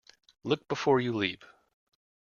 Look before you leap.